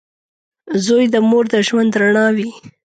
• زوی د مور د ژوند رڼا وي.